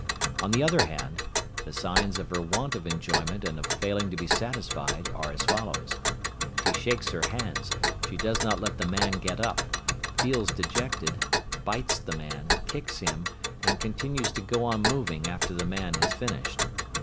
On the other hand, the signs of her want of enjoyment and of failing to be satisfied are as follows: she shakes her hands, she does not let the man get up, feels dejected, bites the man, kicks him, and continues to go on moving after the man has finished.